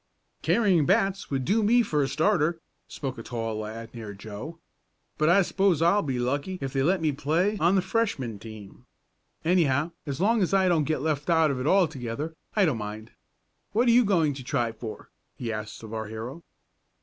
"Carrying bats would do me for a starter," spoke a tall lad near Joe. "But I suppose I'll be lucky if they let me play on the Freshman team. Anyhow as long as I don't get left out of it altogether I don't mind. What are you going to try for?" he asked of our hero.